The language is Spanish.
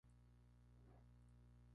Pertenece a la cuenca del Río Moctezuma.